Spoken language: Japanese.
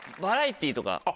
バラエティーとか。